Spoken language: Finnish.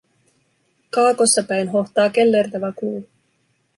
Kaakossa päin hohtaa kellertävä kuu.